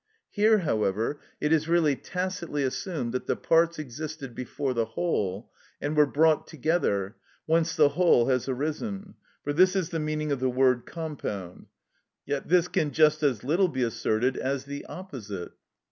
Here, however, it is really tacitly assumed that the parts existed before the whole, and were brought together, whence the whole has arisen; for this is the meaning of the word "compound." Yet this can just as little be asserted as the opposite.